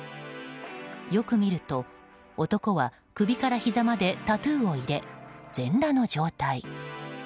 よく見ると男は首からひざまでタトゥーを入れ全裸の状態。